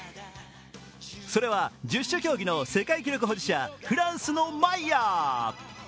それは十種競技の世界記録保持者、フランスのマイヤー。